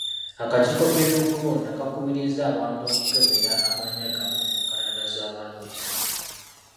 Akakiiko k'ebyokulonda kakubiriza abantu okukebera amannya gaabwe ku nkalala z'abalonzi.